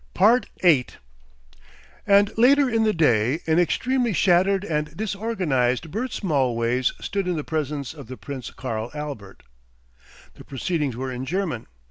8 And later in the day an extremely shattered and disorganised Bert Smallways stood in the presence of the Prince Karl Albert. The proceedings were in German.